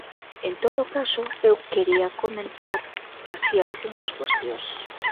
En todo caso, eu quería comentar así algunhas cuestións.